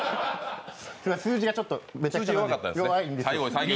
数字がちょっと、めちゃくちゃ弱いんで。